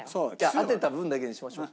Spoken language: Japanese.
当てた分だけにしましょう。